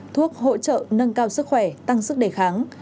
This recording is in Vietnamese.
thuốc hỗ trợ nâng cao sức khỏe tăng sức đề kháng